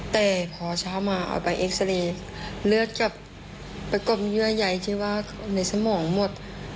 แต่พอเช้ามาเอาไปเอ็กซาเรย์เลือดกลับประกบเยื่อใยที่ว่าในสมองหมด